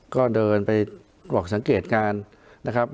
ก็เดินไปกรอกสังเกตการณ์นะครับ